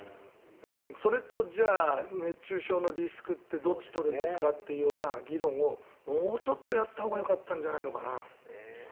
それと熱中症のリスクってどっちを取るんですかという議論をもうちょっとやったほうがよかったんじゃないのかな。